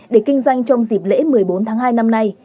để kinh doanh trong dịp lễ một mươi bốn tháng hai năm nay